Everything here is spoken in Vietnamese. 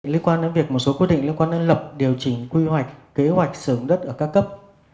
liên quan đến việc một số quy định liên quan đến lập điều chỉnh quy hoạch kế hoạch sử dụng đất ở các cấp